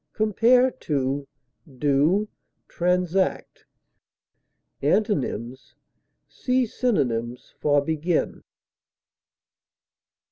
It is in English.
Compare DO; TRANSACT. Antonyms: See synonyms for BEGIN.